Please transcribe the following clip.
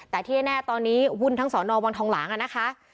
แต่ที่แน่ตอนนี้วุ่นทั้งสอนอวังทองหลางนะคะ